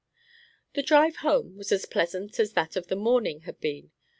The drive home was as pleasant as that of the morning had been.